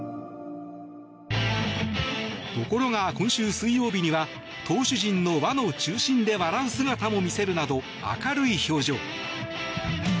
ところが、今週水曜日には投手陣の輪の中心で笑う姿も見せるなど明るい表情。